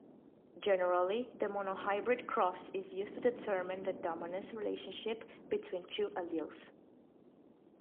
Generally, the monohybrid cross is used to determine the dominance relationship between two alleles.